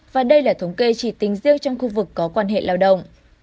và đây là thống kê chỉ tính riêng trong khu vực có quan hệ lao động